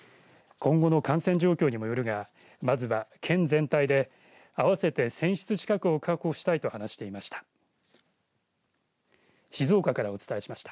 今後の感染状況にもよるがまずは県全体で合わせて１０００室近くを確保したいと話していました。